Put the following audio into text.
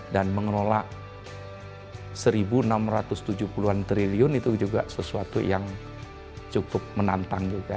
dan mengelola rp satu enam ratus tujuh puluh triliun itu juga sesuatu yang cukup menantang juga